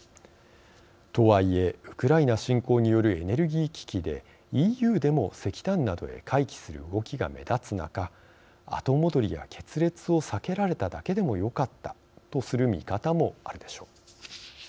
とはいえ、ウクライナ侵攻によるエネルギー危機でＥＵでも石炭などへ回帰する動きが目立つ中、後戻りや決裂を避けられただけでもよかったとする見方もあるでしょう。